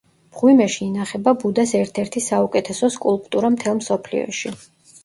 მღვიმეში ინახება ბუდას ერთ-ერთი საუკეთესო სკულპტურა მთელ მსოფლიოში.